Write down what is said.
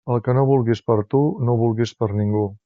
El que no vulguis per a tu, no ho vulguis per a ningú.